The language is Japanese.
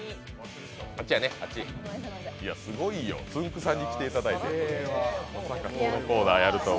すごいよ、つんく♂さんに来ていただいてこのコーナーやるとは。